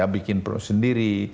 bikin produk sendiri